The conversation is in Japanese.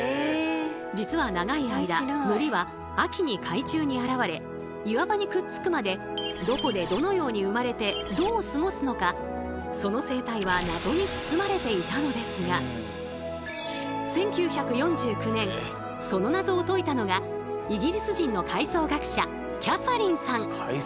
実は長い間海苔は秋に海中に現れ岩場にくっつくまでどこでどのように生まれてどう過ごすのかその生態は謎に包まれていたのですが１９４９年その謎を解いたのがイギリス人の海藻学者キャサリンさん。